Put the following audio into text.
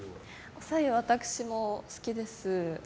お白湯は、私も好きです。